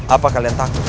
apa kalian takut